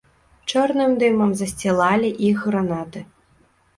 Чорным дымам засцілалі іх гранаты.